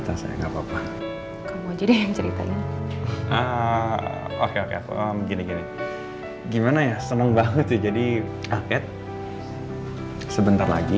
tak wordt jadi yang ceritanya ah oke ogem gini gimana ya seneng banget jadi sepeda sebentar lagi